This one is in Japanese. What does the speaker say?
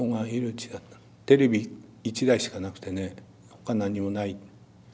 テレビ１台しかなくてねほか何にもない。